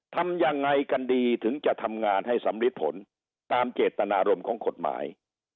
ทำยังไงกันดีถึงจะทำงานให้สำริดผลตามเจตนารมณ์ของกฎหมาย